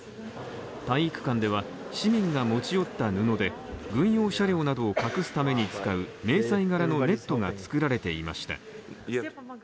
体育館では市民が持ち寄った布で軍用車両などを隠すために使う迷彩柄のネットが作られていました。